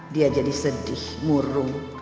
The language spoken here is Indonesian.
dia jadi sedih murung